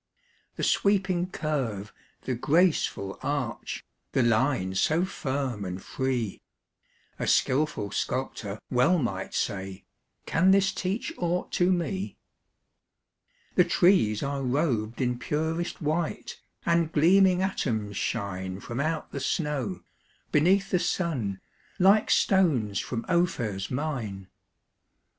The sweeping curve, the graceful arch, The line so firm and free; A skilful sculptor well might say: "Can this teach aught to me?" The trees are rob'd in purest white, And gleaming atoms shine From out the snow, beneath the sun, Like stones from Ophir's mine.